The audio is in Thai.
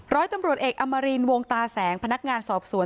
ร้อยตำรวจเอกอมรินวงตาแสงพนักงานสอบสวน